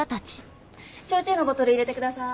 焼酎のボトル入れてください。